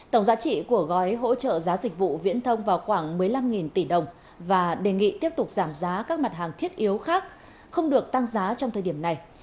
tổng giá trị của gói hỗ trợ giá dịch vụ viễn thông vào khoảng một mươi năm tỷ đồng và đề nghị tiếp tục giảm giá các mặt hàng thiết yếu khác không được tăng giá trong thời điểm này